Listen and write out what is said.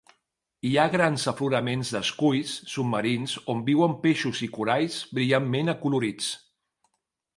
Hi ha grans afloraments d'esculls submarins on viuen peixos i coralls brillantment acolorits.